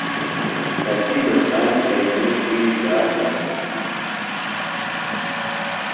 کسی نقصان تھئینی شوئی بات نہ۔